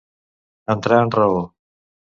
Entrar en raó.